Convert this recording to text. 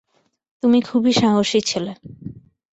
তুমি খুবই সাহসী ছেলে।